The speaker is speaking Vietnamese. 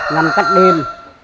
ngâm cách đêm